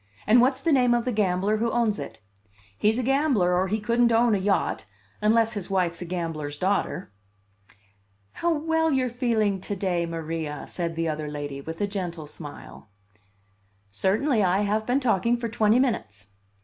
And what's the name of the gambler who owns it? He's a gambler, or he couldn't own a yacht unless his wife's a gambler's daughter." "How well you're feeling to day, Maria!" said the other lady, with a gentle smile. "Certainly. I have been talking for twenty minutes."